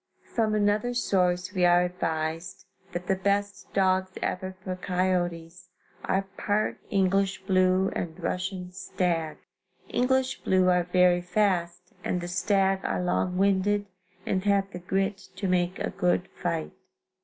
From another source we are advised that the best dogs ever for coyotes, are part English blue and Russian stag. English blue are very fast and the stag are long winded and have the grit to make a good fight.